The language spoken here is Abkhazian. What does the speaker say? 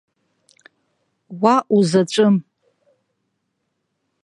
Уа узаҵәым!